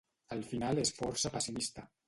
El final és força pessimista.